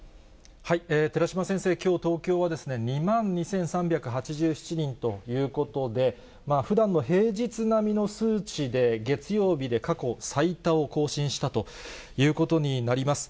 寺嶋先生、きょう、東京は２万２３８７人ということで、ふだんの平日並みの数値で、月曜日で過去最多を更新したということになります。